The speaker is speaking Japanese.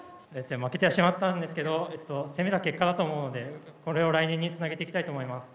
負けてしまったんですけど攻めた結果だと思うのでこれを来年につなげていきたいと思います。